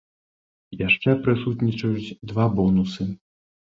Яшчэ прысутнічаюць два бонусы.